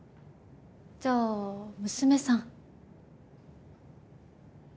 じゃあ娘さん？